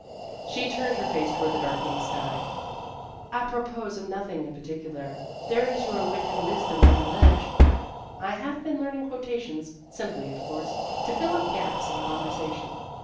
She turned her face toward the darkening sky. " Apro pos of nothing in particular, there is your Wit and Wisdom on the ledge. I have been learning quotations, simply, of course, to fill up gaps in conversation."